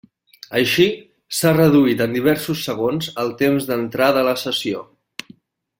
Així, s'ha reduït en diversos segons el temps d'entrada a la sessió.